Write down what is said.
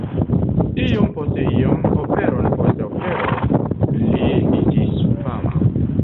Iom post iom, operon post opero, li iĝis fama.